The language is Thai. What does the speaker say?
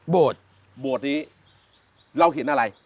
โบสถ์นี้เราเห็นอะไร